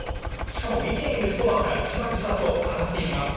しかも見ているそばから、じわじわと上がっていきます。